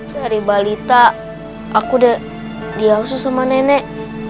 dari balita aku udah diausu sama nenek